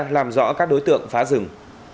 làm rõ các đối tượng phá rừng